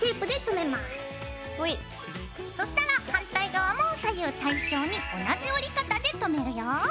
そしたら反対側も左右対称に同じ折り方でとめるよ。